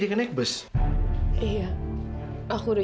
ibu gak bisa melihat kamu